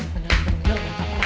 bener bener gak ngapain